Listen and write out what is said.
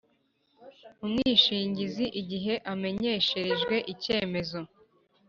umwishingizi igihe amenyesherejwe icyemezo